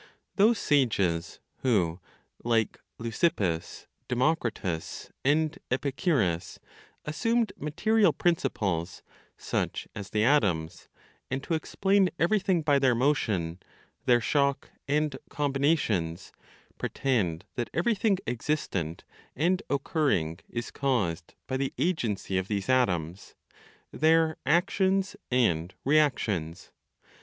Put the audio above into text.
Those sages who (like Leucippus, Democritus and Epicurus) assumed material principles such as the atoms, and who explain everything by their motion, their shock and combinations, pretend that everything existent and occurring is caused by the agency of these atoms, their "actions and reactions."